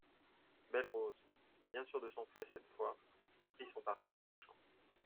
Belle-Rose, bien sûr de son fait cette fois, prit son parti sur-le-champ.